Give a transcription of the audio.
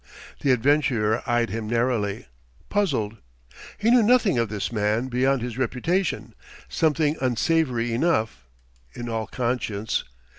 The adventurer eyed him narrowly, puzzled. He knew nothing of this man, beyond his reputation something unsavoury enough, in all conscience!